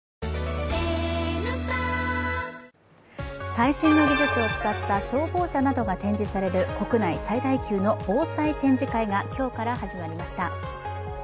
最新の技術を使った消防車などが展示される国内最大級の防災展示会が今日から始まりました。